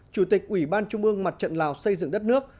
chủ tịch ủy ban trung ương mặt trận lào xây dựng đất nước